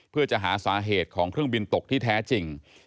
เพื่อจะหาสาเหตุของเครื่องบินตกที่แท้จริง